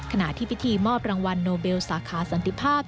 ขณะที่พิธีมอบรางวัลโนเบลสาขาสันติภาพ